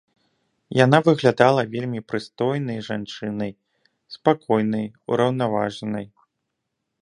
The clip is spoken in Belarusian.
Яна выглядала вельмі прыстойнай жанчынай, спакойнай, ураўнаважанай.